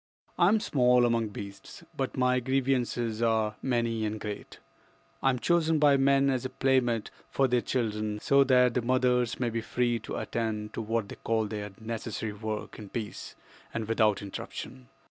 "I am small among beasts, but my grievances are many and great. I am chosen by men as a playmate for their children, so that the mothers may be free to attend to what they call their 'necessary work' in peace and without interruption.